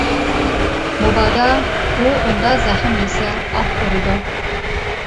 مۇبادا، ئۇ ئۇندا زەخىم يېسە ئاھ ئۇرىدۇ.